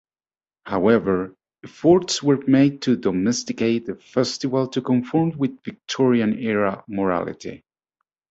However, efforts were made to "domesticate" the festival to conform with Victorian era morality.